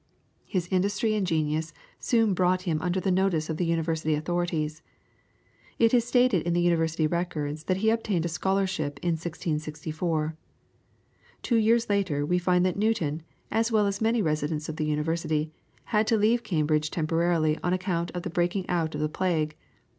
His industry and genius soon brought him under the notice of the University authorities. It is stated in the University records that he obtained a Scholarship in 1664. Two years later we find that Newton, as well as many residents in the University, had to leave Cambridge temporarily on account of the breaking out of the plague.